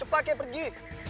cepat kay pergi